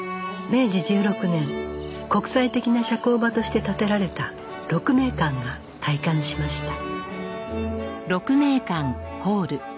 明治１６年国際的な社交場として建てられた鹿鳴館が開館しました